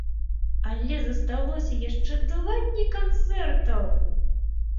Але засталося яшчэ два дні канцэртаў!